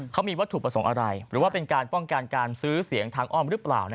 เขามีวัตถุประสงค์อะไรหรือว่าเป็นการป้องกันการซื้อเสียงทางอ้อมหรือเปล่า